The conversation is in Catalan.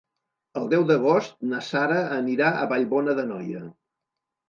El deu d'agost na Sara anirà a Vallbona d'Anoia.